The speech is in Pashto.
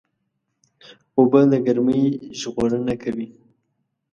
اوبه له ګرمۍ ژغورنه کوي.